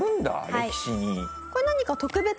歴史に。